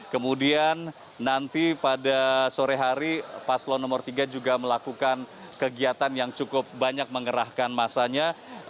kemudian nanti pada sore hari paslo nomor tiga juga melakukan kegiatan yang cukup banyak mengerahkan masanya